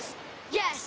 よし！